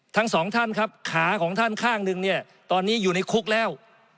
ทั้งสองท่านครับขาของท่านข้างหนึ่งเนี่ยตอนนี้อยู่ในคุกแล้ว